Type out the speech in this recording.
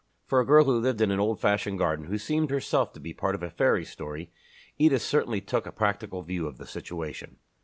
For a girl who lived in an old fashioned garden, and who seemed herself to be part of a fairy story, Edith certainly took a practical view of the situation.